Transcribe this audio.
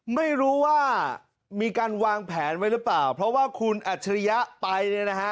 ไม่รู้ว่ามีการวางแผนไว้หรือเปล่าเพราะว่าคุณอัจฉริยะไปเนี่ยนะฮะ